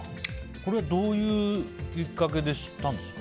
これはどういうきっかけで知ったんですか？